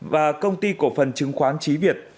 và công ty cổ phần chứng khoán chí việt